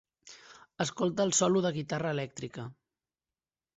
Escolta el solo de guitarra elèctrica!